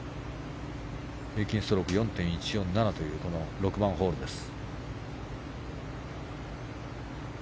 平均ストローク４．１４７という６番ホールです。